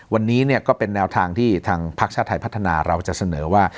วันนี้ก็เป็นแนวทางที่ทางภาคชาติไทยพัฒนาเราจะเสนอว่า